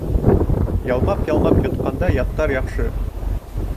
Ялмап-ялмап йотҡанда яттар яҡшы